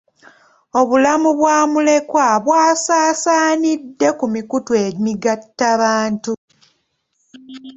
Obulamu bwa mulekwa bwasaasaanidde ku mikutu emigattabantu.